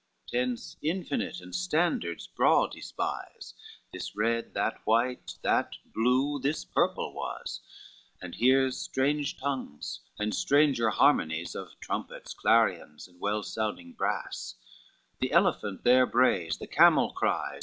LVIII Tents infinite, and standards broad he spies, This red, that white, that blue, this purple was, And hears strange tongues, and stranger harmonies Of trumpets, clarions, and well sounding brass: The elephant there brays, the camel cries.